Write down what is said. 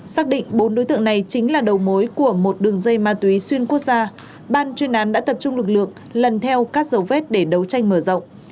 xác định bốn đối tượng này chính là đầu mối của một đường dây ma túy xuyên quốc gia ban chuyên án đã tập trung lực lượng lần theo các dấu vết để đấu tranh mở rộng